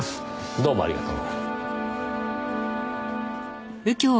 どうもありがとう。